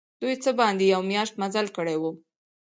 دوی څه باندي یوه میاشت مزل کړی وو.